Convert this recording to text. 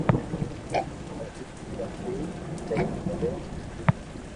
او ھيم چوندي لئين گھري پئچي جائين